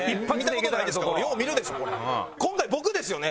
今回僕ですよね？